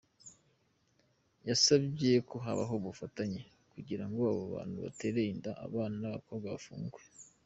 Yasabye ko habaho ubufatanye kugira ngo abo bantu batera inda abana b’abakobwa bafungwe.